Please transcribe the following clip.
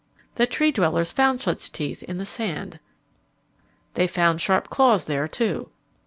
The Tree dwellers found such teeth in the sand. They found sharp claws there, too.